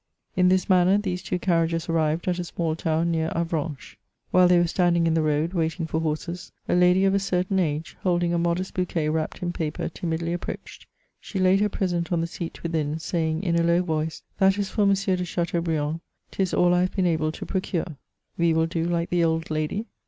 In diis manner, these two carriages arrived at a small town near Avranches. While they were standing in the road, waiting for horses, a lady of a certain age, holding a modest bouquet wrapped in paper, timidly approached. She laid her present on the seat within, saying, in a low voice, " That is for M. de Chateaubriand; 'tis all I have been able to procure." We will do like the old lady.